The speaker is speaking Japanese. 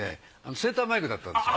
センターマイクだったんですよ。